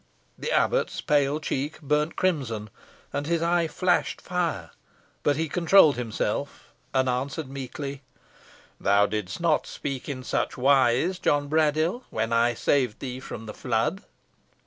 The abbot's pale check burnt crimson, and his eye flashed fire, but he controlled himself, and answered meekly, "Thou didst not speak in such wise, John Braddyll, when I saved thee from the flood."